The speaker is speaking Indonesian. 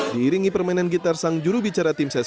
diiringi permainan gitar sang jurubicara tim ses